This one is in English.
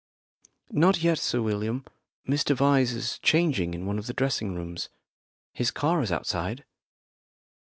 "Not yet, Sir William. Mr Vyse is changing in one of the dressing rooms. His car is outside."